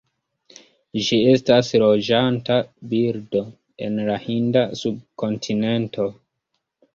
Ĝi estas loĝanta birdo en la Hinda subkontinento.